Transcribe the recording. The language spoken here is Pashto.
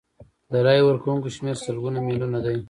د رایې ورکوونکو شمیر سلګونه میلیونه دی.